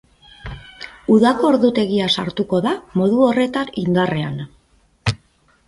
Udako ordutegia sartuko da modu horretan indarrean.